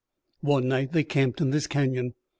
One night they camped in this canyon.